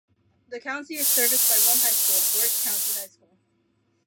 The county is serviced by one high school, Wirt County High School.